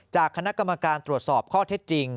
จากคณะกรรมการตรวจสอบข้อเท็จจริง